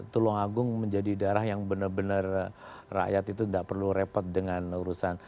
tulungagung menjadi darah yang benar benar rakyat itu tidak perlu repot dengan urusan